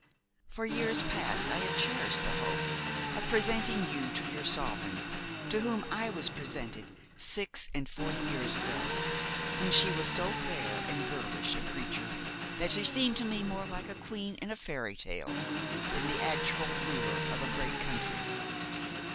For years past I have cherished the hope of presenting you to your sovereign, to whom I was presented six and forty years ago, when she was so fair and girlish a creature that she seemed to me more like a queen in a fairy tale than the actual ruler of a great country.